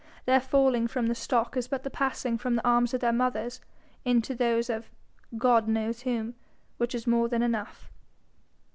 Their falling from the stalk is but the passing from the arms of their mothers into those of God knows whom which is more than enough.